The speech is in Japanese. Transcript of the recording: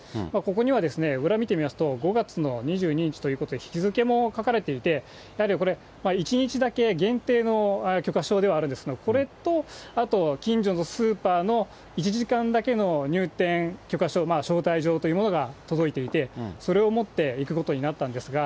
ここには、裏見てみますと５月の２２日ということで、日付も書かれていて、やはりこれ、１日だけ限定の許可証ではあるんですが、これと、あと近所のスーパーの１時間だけの入店許可証、招待状というものが届いていて、それを持っていくことになったんですが、